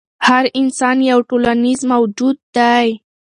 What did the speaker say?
هر انسان یو ټولنیز موجود دی.